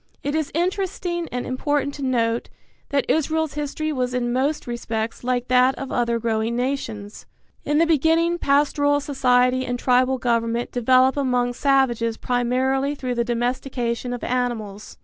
It is interesting and important to note that Israel's history was in most respects like that of other growing nations. In the beginning pastoral society and tribal government develop among savages primarily through the domestication of animals.